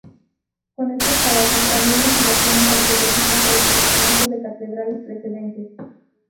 Con estos trabajos había investigaciones arqueológicas sobre fundamentos de catedrales precedentes.